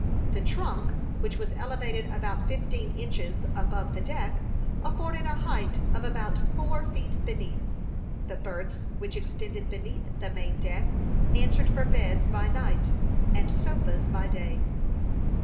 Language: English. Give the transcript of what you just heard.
The "trunk," which was elevated about fifteen inches above the deck, afforded a height of about five feet beneath. The berths, which extended beneath the main deck, answered for beds by night, and sofas by day.